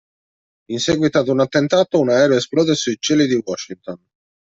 In seguito ad un attentato, un aereo esplode sui cieli di Washington.